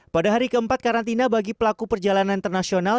pada hari keempat karantina bagi pelaku perjalanan internasional